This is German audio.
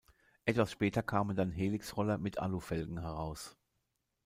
Etwas später kamen dann Helix-Roller mit Alufelgen heraus.